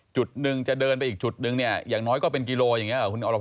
จุดหนึ่งจะเดินไปอีกจุดนึงเนี่ยอย่างน้อยก็เป็นกิโลอย่างนี้หรอคุณอร